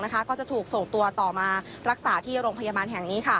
ก็จะถูกส่งตัวต่อมารักษาที่โรงพยาบาลแห่งนี้